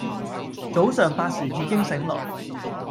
早上八時已經醒來